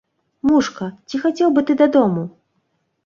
Мушка, ці хацеў бы ты дадому?